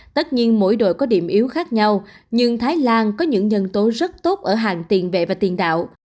tất nhiên mỗi đội có điểm yếu khác nhau nhưng thái lan có những nhân tố rất tốt ở hàng tiền vệ và tiền đạo